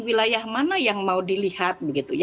wilayah mana yang mau dilihat